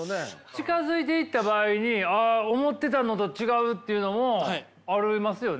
近づいていった場合にああ思ってたのと違うっていうのもありますよね？